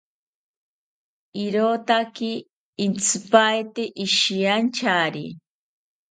Irotaki intzipaete ishiyanchari